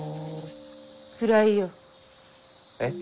暗いよ。えっ？